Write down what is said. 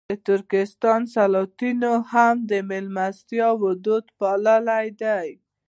د ترکستان سلاطینو هم د مېلمستیاوو دود پاللی دی.